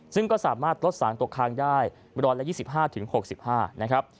ซึ่งก็สามารถลดสารตกค้างได้๑๒๕๖๕นะครับ